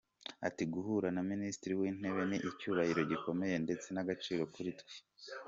Ati “Guhura na Minisitiri w’Intebe ni icyubahiro gikomeye ndetse n’agaciro kuri twe.